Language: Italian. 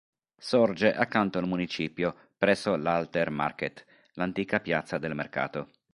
Sorge accanto al municipio, presso l"'Alter Markt", l'antica piazza del Mercato.